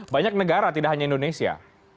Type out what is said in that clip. banyak negara tidak hanya indonesia